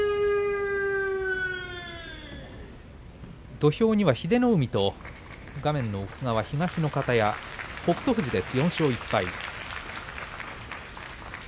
土俵には英乃海と画面の奥、東の方屋は北勝富士です。